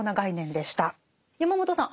山本さん